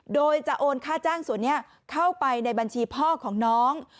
โดยจะโอนค่าจ้างส่วนนี้เข้าไปในบัญชีพ่อของน้อง